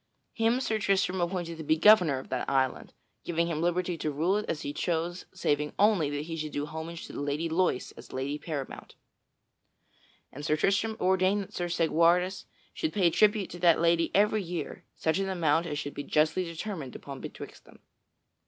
Him Sir Tristram appointed to be governor of that island, giving him liberty to rule it as he chose saving only that he should do homage to the Lady Loise as lady paramount. And Sir Tristram ordained that Sir Segwarides should pay tribute to that lady every year such an amount as should be justly determined upon betwixt them.